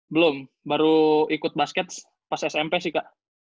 belum baru ikut basket pas smp sih kak